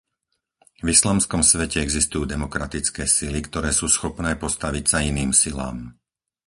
V islamskom svete existujú demokratické sily, ktoré sú schopné postaviť sa iným silám.